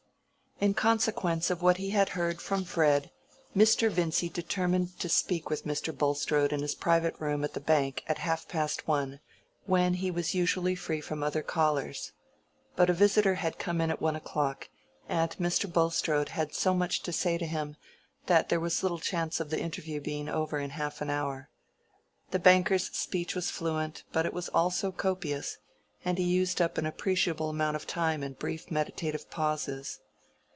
In consequence of what he had heard from Fred, Mr. Vincy determined to speak with Mr. Bulstrode in his private room at the Bank at half past one, when he was usually free from other callers. But a visitor had come in at one o'clock, and Mr. Bulstrode had so much to say to him, that there was little chance of the interview being over in half an hour. The banker's speech was fluent, but it was also copious, and he used up an appreciable amount of time in brief meditative pauses.